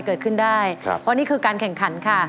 เพราะนี่คือการแข่งขันค่ะ